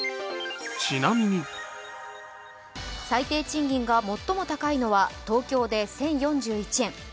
最低賃金が最も高いのは東京で１０４１円。